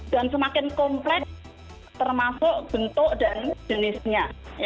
dan semakin kompleks termasuk bentuk dan jenisnya ya